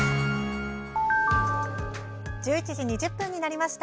１１時２０分になりました。